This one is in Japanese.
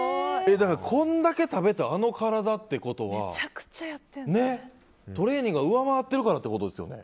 これだけ食べてあの体ってことはトレーニングが上回ってるからということですよね。